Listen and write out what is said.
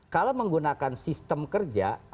kalau menggunakan sistem kerja